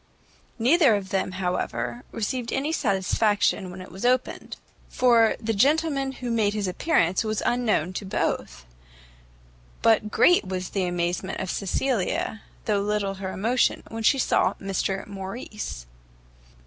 Neither of them, however, received any satisfaction when it was opened, for the gentleman who made his appearance was unknown to both: but great was the amazement of Cecilia, though little her emotion, when she saw Mr Morrice!